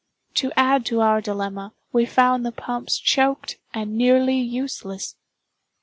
To add to our dilemma, we found the pumps choked and nearly useless.